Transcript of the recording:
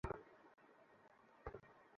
সিগারেটের জন্য ধন্যবাদ।